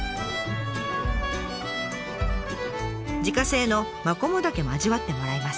自家製のマコモダケも味わってもらいます。